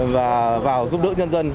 và vào giúp đỡ nhân dân